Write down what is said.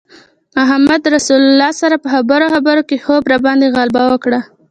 محمدرسول سره په خبرو خبرو کې خوب راباندې غلبه وکړه.